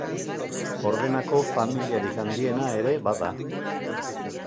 Ordenako familiarik handiena ere bada.